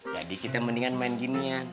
jadi kita mendingan main ginian